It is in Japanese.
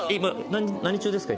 何中ですか？